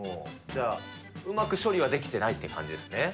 じゃあ、うまく処理はできてないって感じですね。